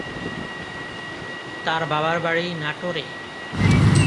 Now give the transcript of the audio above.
তার বাবার বাড়ি নাটোরে।